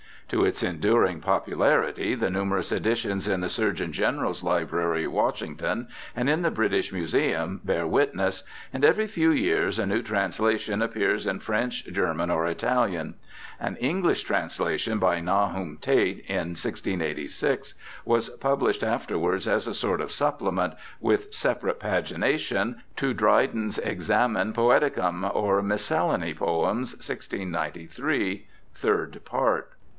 To its enduring popularity the numerous editions in the Surgeon General's Library, Washington, and in the British Museum bear witness, and every few years a new translation appears in French, German, or Italian. An English translation by Nahum Tate in 1686 was pub lished afterwards as a sort of supplement — with separate pagination — to Dryden's ExamenPoeticum^ or Miscellany Poems, 1693, third part.